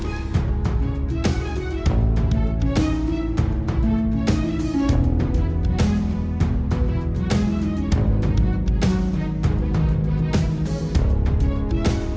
ขอบคุณทุกคนครับ